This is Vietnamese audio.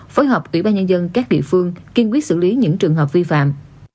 phối hợp ủy ban nhân dân các địa phương kiên quyết xử lý những trường hợp vi phạm